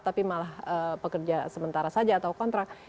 tapi malah pekerja sementara saja atau kontrak